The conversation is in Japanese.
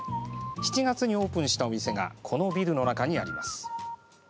７月にオープンしたお店がこのビルの中にあります。